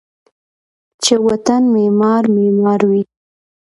چې و طن معمار ، معمار وی